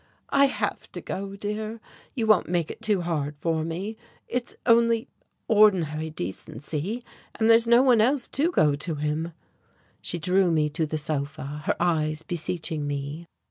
"I have to go, dear you won't make it too hard for me! It's only ordinary decency, and there's no one else to go to him." She drew me to the sofa, her eyes beseeching me.